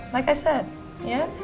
like i said ya